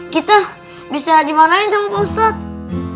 kita bisa dimanain sama pak ustadz